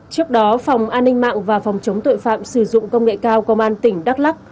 trước đó phòng an ninh mạng và phòng chống tội phạm sử dụng công nghệ cao công an tỉnh đắk lắc